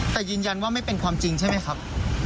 แต่ยืนยันว่าไม่เป็นความจริงใช่ไหมครับ